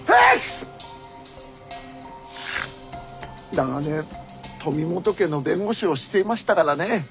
長年富本家の弁護士をしていましたからね